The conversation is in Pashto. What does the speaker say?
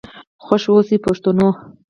خوښ آوسئ پښتنو.